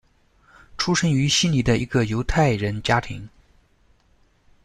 出生于悉尼的一个犹太人家庭。